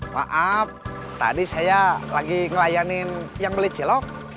maaf tadi saya lagi ngelayanin yang beli celok